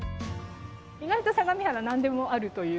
意外と相模原何でもあるという。